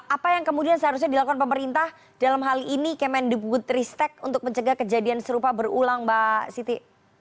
apa yang kemudian seharusnya dilakukan pemerintah dalam hal ini kemendikbud ristek untuk mencegah kejadian serupa berulang mbak siti